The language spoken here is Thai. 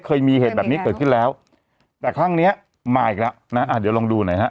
เคยมีเหตุแบบนี้เกิดขึ้นแล้วแต่ครั้งเนี้ยมาอีกแล้วนะอ่าเดี๋ยวลองดูหน่อยฮะ